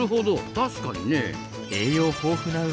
確かにね。